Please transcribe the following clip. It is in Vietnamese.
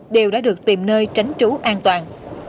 đều đã được tìm nơi tránh trú an toàn